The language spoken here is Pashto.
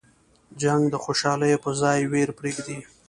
جنګ د خوشحالیو په ځای ویر پرېږدي.